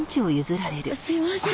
あっすいません。